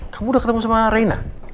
kamu udah ketemu sama reina